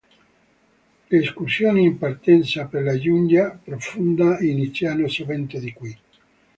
Le escursioni in partenza per la giungla profonda iniziano sovente di qui.